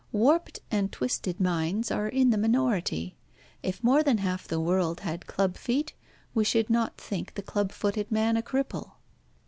"Warped and twisted minds are in the minority. If more than half the world had club feet, we should not think the club footed man a cripple."